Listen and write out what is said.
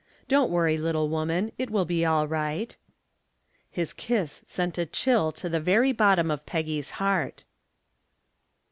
"Don't worry, little woman, it will be all right." His kiss sent a chill to the very bottom of Peggy's heart.